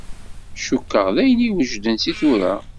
Cukkeɣ d ayen iwejden si tura.